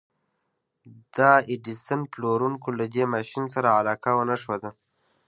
د ايډېسن پلورونکو له دې ماشين سره علاقه ونه ښوده.